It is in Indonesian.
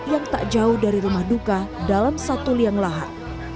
yang tak jauh dari rumah duka dalam satu liang lahat